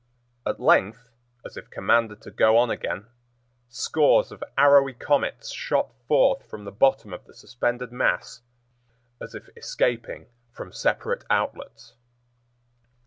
At length, as if commanded to go on again, scores of arrowy comets shot forth from the bottom of the suspended mass as if escaping from separate outlets.